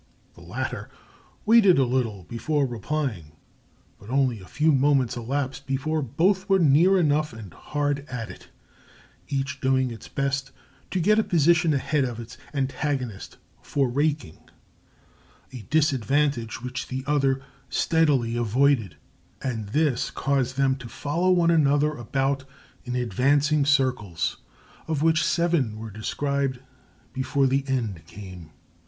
The latter waited a little before replying, but only a few moments elapsed before both were near enough and hard at it, each doing its best to get a position ahead of its antagonist for raking,—a disadvantage which the other steadily avoided; and this caused them to follow one another about in advancing circles, of which seven were described before the end came.